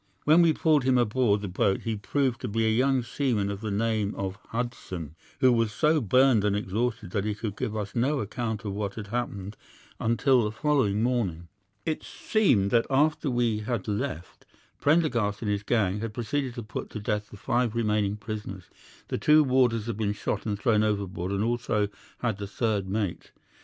When we pulled him aboard the boat he proved to be a young seaman of the name of Hudson, who was so burned and exhausted that he could give us no account of what had happened until the following morning. "'It seemed that after we had left, Prendergast and his gang had proceeded to put to death the five remaining prisoners. The two warders had been shot and thrown overboard, and so also had the third mate.